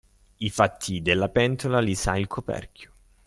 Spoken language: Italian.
I fatti della pentola li sa il coperchio.